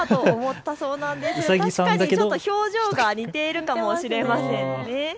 たしかにちょっと表情が似ているかもしれませんね。